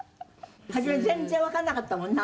「初め全然わかんなかったもんね。